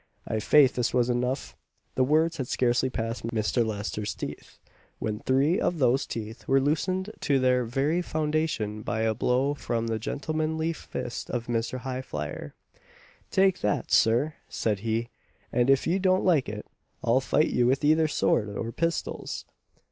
I'faith this was enough the words had scarcely passed Mr. Lester's teeth, when three of those teeth were loosened to their very foundation by a blow from the gentlemanly fist of Mr. Highflyer. "Take that, Sir!" said he, "and if you don't like it, I'll fight you with either sword or pistols!"